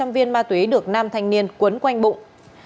một hai trăm linh viên ma tuyến được năm thành niên cuốn quanh bụng